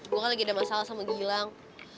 gue kan lagi ada masalah sama gilang